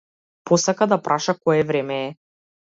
Посака да праша кое време е.